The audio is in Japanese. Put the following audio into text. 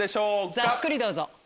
ざっくりどうぞ。